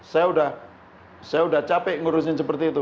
saya sudah capek ngurusin seperti itu